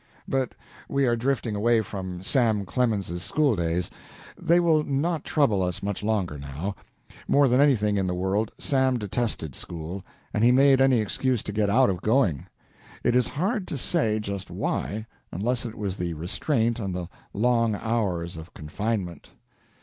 But we are drifting away from Sam Clemens's school days. They will not trouble us much longer now. More than anything in the world Sam detested school, and he made any excuse to get out of going. It is hard to say just why, unless it was the restraint and the long hours of confinement.